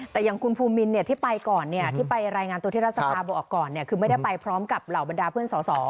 แต่อย่างคุณภูมินที่ไปก่อนที่ไปรายงานตัวที่รัฐสภาบอกก่อนคือไม่ได้ไปพร้อมกับเหล่าบรรดาเพื่อนสอสอ